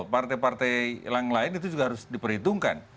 partai partai yang lain itu juga harus diperhitungkan